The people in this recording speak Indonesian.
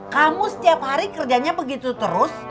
kamu setiap hari kerjanya begitu terus